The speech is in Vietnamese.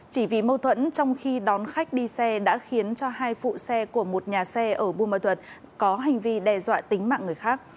chỉ vì mâu thuẫn trong khi đón khách đi xe đã khiến cho hai phụ xe của một nhà xe ở buôn mơ thuật có hành vi đe dọa tính mạng người khác